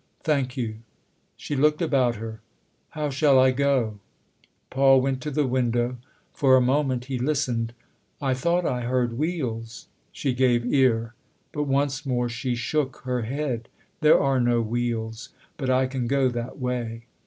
Thank you." She looked about her. " How shall I go?" Paul went to the window ; for a moment he listened. " I thought I heard wheels." She gave ear; but once more she shook her head. "There are no wheels, buf I can go that way."